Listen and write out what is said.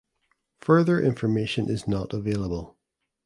Further information is not available.